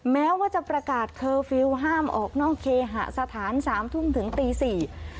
แม้ว่าจะประกาศเคอร์ฟิลล์ห้ามออกนอกเคหสถานสามทุ่มถึงตีสี่